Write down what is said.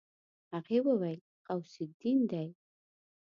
هغې وويل غوث الدين دی.